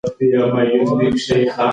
که کتابتون وي نو معلومات نه پاتیږي.